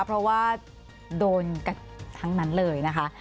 เพราะว่าโดนกันทั้งนั้นเลยนะคะ